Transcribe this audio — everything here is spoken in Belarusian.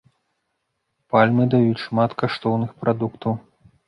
Пальмы даюць шмат каштоўных прадуктаў.